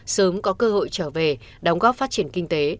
sớm có cơ hội trở về đóng góp phát triển kinh tế